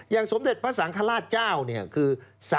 อย่างสมเด็จพระสังฆราชเจ้าเนี่ยคือ๓๗๗๐๐